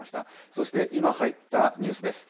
そして、今入ったニュースです。